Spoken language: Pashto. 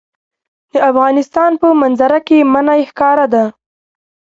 د افغانستان په منظره کې منی ښکاره ده.